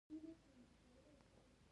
لومړی يو ارام ځای انتخاب کړئ.